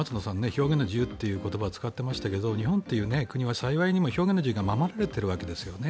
表現の自由という言葉を使っていましたが日本という国は幸いにも表現の自由が守られているわけですよね。